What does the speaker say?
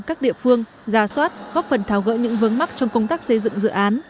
các địa phương gia soát góp phần tháo gỡ những vấn mắc trong công tác xây dựng dự án